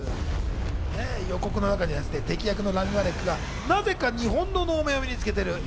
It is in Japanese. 予告の中では敵役のラミ・マレックがなぜか日本の能面を身につけている。